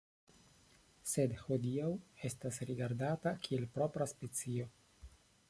Sed hodiaŭ estas rigardata kiel propra specio.